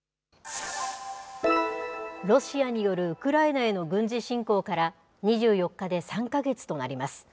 ロシアによるウクライナへの軍事侵攻から、２４日で３か月となります。